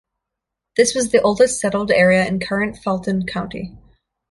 This was the oldest settled area in current Fulton County.